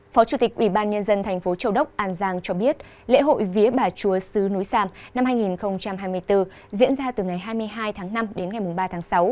phó chủ tịch ủy ban nhân dân thành phố châu đốc an giang cho biết lễ hội vía bà chúa sứ núi sam năm hai nghìn hai mươi bốn diễn ra từ ngày hai mươi hai tháng năm đến ngày ba tháng sáu